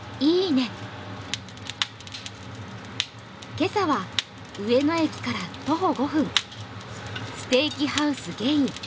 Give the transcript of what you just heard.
今朝は、上野駅から徒歩５分ステーキハウスゲイン。